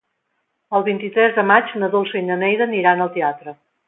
El vint-i-tres de maig na Dolça i na Neida aniran al teatre.